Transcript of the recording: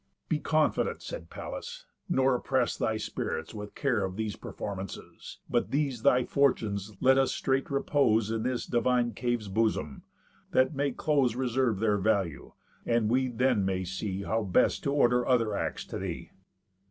"Be confident," said Pallas, "nor oppress Thy spirits with care of these performances, But these thy fortunes let us straight repose In this divine cave's bosom, that may close Reserve their value; and we then may see How best to order other acts to thee."